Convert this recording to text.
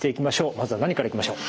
まずは何からいきましょう？